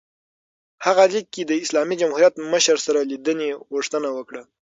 هغه لیک کې د اسلامي جمهوریت مشر سره لیدنې غوښتنه وکړه.